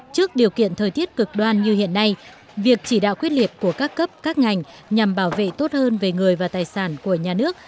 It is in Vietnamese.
trước điều kiện thời tiết cực đoan như hiện nay việc chỉ đạo quyết liệt của các cấp các ngành nhằm bảo vệ tốt hơn về người và tài sản của nhà nước